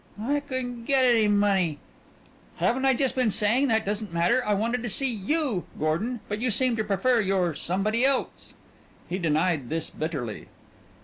"I couldn't get any money." "Haven't I just been saying that doesn't matter? I wanted to see you, Gordon, but you seem to prefer your somebody else." He denied this bitterly.